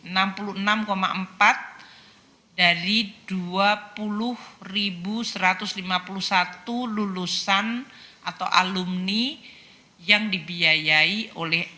enam puluh enam empat dari dua puluh satu ratus lima puluh satu lulusan atau alumni yang dibiayai oleh